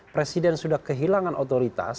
presiden sudah kehilangan otoritas